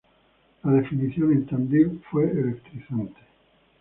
La definición en Tandil fue electrizante.